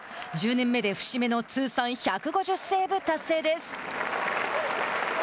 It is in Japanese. １０年目で節目の通算１５０セーブ達成です。